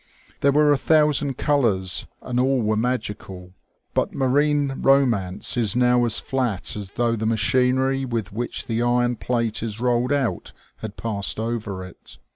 There were a thousand colours, and all were magical. But marine romance is now as fiat as though the machinery with which the iron plate is rolled out had passed over it.